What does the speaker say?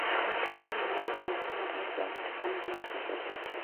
wataalam wa mambo wanasema rais obama atakuwa na kibarua kizito